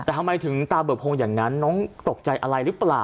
แต่ทำไมถึงตาเบิกพงอย่างนั้นน้องตกใจอะไรหรือเปล่า